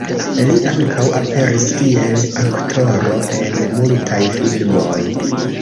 Li ankaŭ aperis kiel aktoro en multaj filmoj.